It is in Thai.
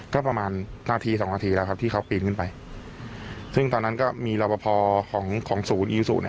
ก็ประมาณนาทีสองนาทีแล้วครับที่เขาปีนขึ้นไปซึ่งตอนนั้นก็มีรอบพอของของศูนย์อีซูเนี่ย